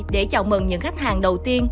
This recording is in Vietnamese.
để chào mừng những khách hàng đầu tiên